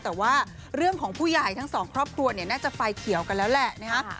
แต่ว่าเรื่องของผู้ใหญ่ทั้งสองครอบครัวเนี่ยน่าจะไฟเขียวกันแล้วแหละนะฮะ